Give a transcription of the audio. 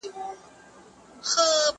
زه به سبا کتابونه وړم،